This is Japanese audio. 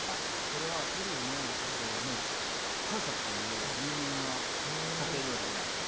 これはペルーのカウサっていう有名な家庭料理です。